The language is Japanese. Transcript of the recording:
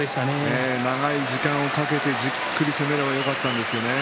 長い時間をかけてじっくり攻めればよかったんですよね。